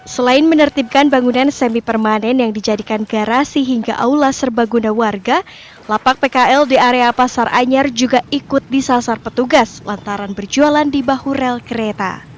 selain menertibkan bangunan semi permanen yang dijadikan garasi hingga aula serbaguna warga lapak pkl di area pasar anyar juga ikut disasar petugas lantaran berjualan di bahu rel kereta